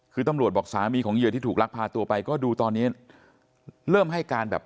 คือตำรวจบอกสามีของเหยื่อที่ถูกลักพาตัวไปก็ดูตอนนี้เริ่มให้การแบบ